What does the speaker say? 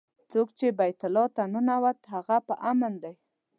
څوک چې بیت الله ته ننوت هغه په امن دی.